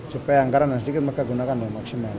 supaya anggaran yang sedikit mereka gunakan dengan maksimal